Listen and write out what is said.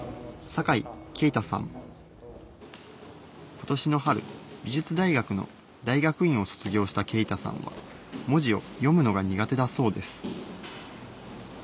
今年の春美術大学の大学院を卒業した勁太さんは文字を読むのが苦手だそうです